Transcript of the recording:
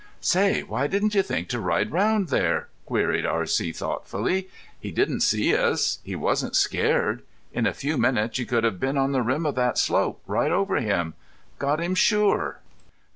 "Say, why didn't you think to ride round there?" queried R.C. thoughtfully. "He didn't see us. He wasn't scared. In a few minutes you could have been on the rim of that slope right over him. Got him sure!"